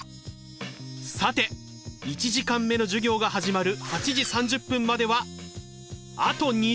さて１時間目の授業が始まる８時３０分まではあと２０分！